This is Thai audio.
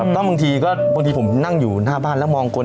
แล้วบางทีผมนั่งอยู่หน้าบ้านแล้วมองคน